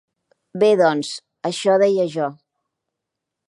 Bé, doncs, això deia jo.